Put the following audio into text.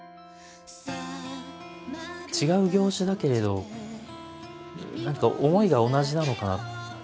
違う業種だけれど何か思いが同じなのかな。